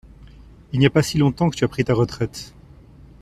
Il n’y a pas si longtemps que tu as pris ta retraite.